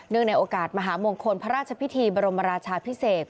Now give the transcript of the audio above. ในโอกาสมหามงคลพระราชพิธีบรมราชาพิเศษ